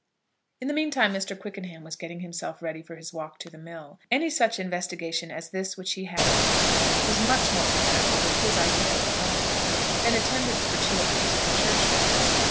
In the mean time Mr. Quickenham was getting himself ready for his walk to the mill. Any such investigation as this which he had on hand was much more compatible with his idea of a holiday than attendance for two hours at the Church Service.